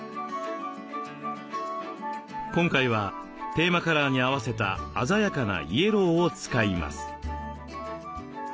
今回はテーマカラーに合わせた鮮やかなイエローを使います。